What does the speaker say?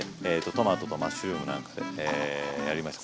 トマトとマッシュルームなんかでやりました。